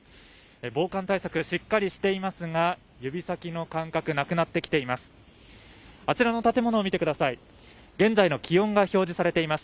防寒対策、しっかりしていますが指先の感覚、なくなってきています。